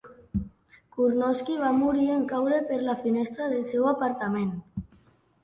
Curnonsky va morir en caure per la finestra del seu apartament.